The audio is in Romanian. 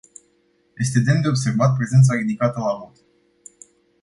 Este demn de observat prezența ridicată la vot.